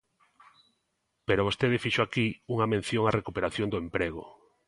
Pero vostede fixo aquí unha mención á recuperación do emprego.